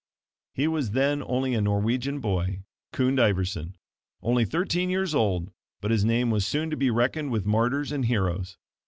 He was then only a Norwegian boy, Kund Iverson, only thirteen years old, but his name was soon to be reckoned with martyrs and heroes.